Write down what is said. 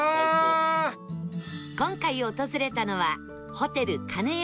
今回訪れたのは